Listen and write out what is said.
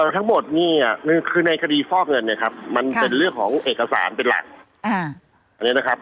ทั้งหมดนี่คือในคดีฟอกเงินเนี่ยครับมันเป็นเรื่องของเอกสารเป็นหลักอันนี้นะครับ